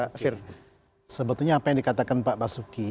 pak fir sebetulnya apa yang dikatakan pak basuki